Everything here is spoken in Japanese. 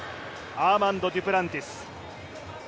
アーマンド・デュプランティス。